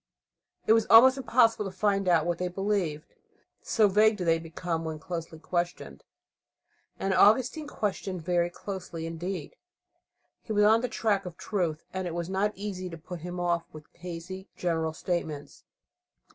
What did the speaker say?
It was almost impossible to find out what they believed, so vague did they become when closely questioned. And Augustine questioned very closely indeed. He was on the track of truth, and it was not easy to put him off with hazy general statements.